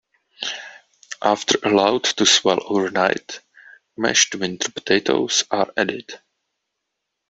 After allowed to swell over night, mashed winter potatoes are added.